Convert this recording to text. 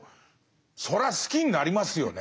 それは好きになりますよね。